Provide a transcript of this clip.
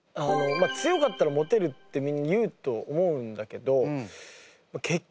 強かったらモテるってみんな言うと思うんだけど結局は顔。